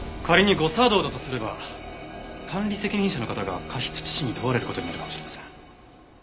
仮に誤作動だとすれば管理責任者の方が過失致死に問われる事になるかもしれません。